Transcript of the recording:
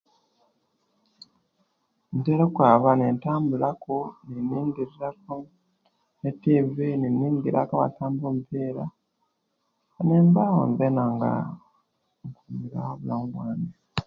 Ntera kwaba nintambula ku ni nyingiriraku ku'tivi niningiriraku abasamba omupiira nimbawo zeena nga nkumirawo bulamu bwange